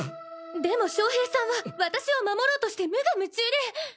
でも将平さんは私を守ろうとして無我夢中で！！